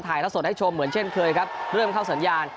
สดให้ชมเหมือนเช่นเคยครับเริ่มเข้าสัญญาณ